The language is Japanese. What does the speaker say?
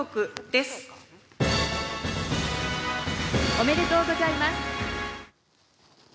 おめでとうございます。